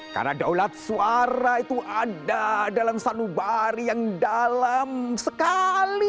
karena daulat suara itu ada dalam sanubari yang dalam sekali